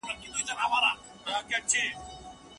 که ستا د قبر جنډې هر وخت ښکلول گلونه